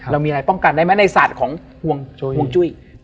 เรามีอะไรป้องกันได้ไหมในศาสตร์ของห่วงจุ้ย